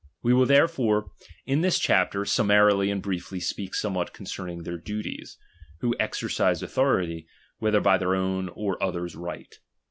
We will therefore in this chapter summarily and briefly speak somewhat concerning their duties, who ex ercise authority, whether by their own or other's right.